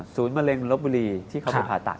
มะเร็งลบบุรีที่เขาไปผ่าตัด